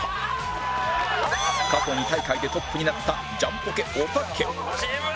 過去２大会でトップになったジャンポケおたけ